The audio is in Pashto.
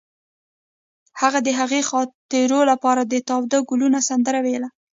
هغې د ښایسته خاطرو لپاره د تاوده ګلونه سندره ویله.